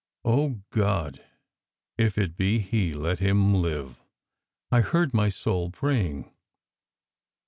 "Oh God, if it be he, let him live!" I heard my soul praying.